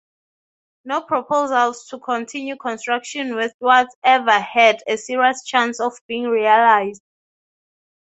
No proposals to continue construction westwards ever had a serious chance of being realised.